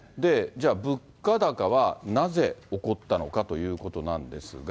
じゃあ、物価高は１なぜ起こったのかということなんですが。